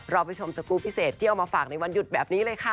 เราไปชมสกูลพิเศษที่เอามาฝากในวันหยุดแบบนี้เลยค่ะ